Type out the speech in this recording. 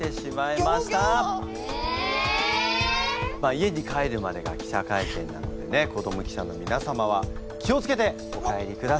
家に帰るまでが記者会見なのでね子ども記者のみなさまは気を付けてお帰りください！